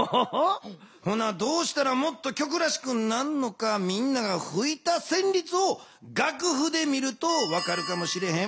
ほなどうしたらもっと曲らしくなるのかみんながふいたせんりつをがくふで見ると分かるかもしれへん。